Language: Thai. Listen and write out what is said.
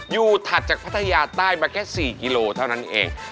ถัดจากพัทยาใต้มาแค่๔กิโลเท่านั้นเอง